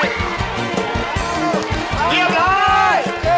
เรียบร้อย